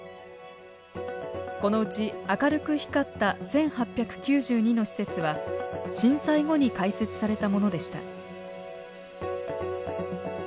このうち明るく光った１，８９２の施設は震災後に開設されたものでした。